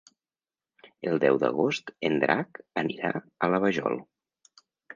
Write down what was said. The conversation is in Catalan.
El deu d'agost en Drac anirà a la Vajol.